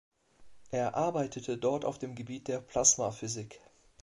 Er arbeitete dort auf dem Gebiet der Plasmaphysik.